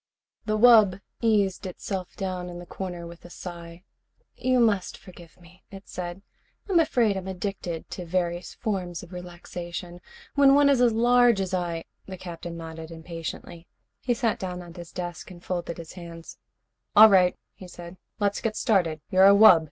The wub eased itself down in the corner with a sigh. "You must forgive me," it said. "I'm afraid I'm addicted to various forms of relaxation. When one is as large as I " The Captain nodded impatiently. He sat down at his desk and folded his hands. "All right," he said. "Let's get started. You're a wub?